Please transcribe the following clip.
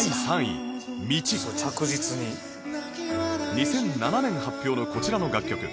２００７年発表のこちらの楽曲